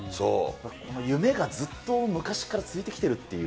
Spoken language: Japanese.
夢がずっと昔から続いてきてるっていう。